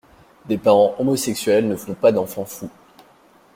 Des parents homosexuels ne font pas d'enfants fous.